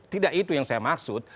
tidak itu yang saya maksud